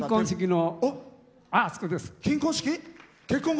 金婚式の。